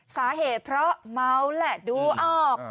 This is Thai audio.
สาเหตุเพราะเมาแหละดูออก